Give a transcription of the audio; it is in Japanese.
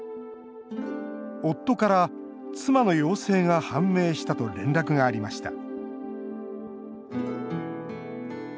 夫から妻の陽性が判明したと連絡がありました。